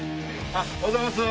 おはようございます。